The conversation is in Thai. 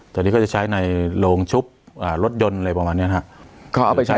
ตอนนี้ก็จะใช้ในโรงชุบอ่ารถยนต์อะไรประมาณเนี้ยนะฮะก็เอาไปใช้